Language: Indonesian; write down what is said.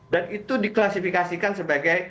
dan itu diklasifikasikan sebagai